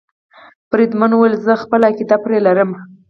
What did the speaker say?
بریدمن وویل زه خپله عقیده پرې لرم.